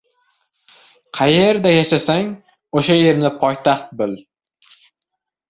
• Qayerda yashasang, o‘sha yerni poytaxt bil.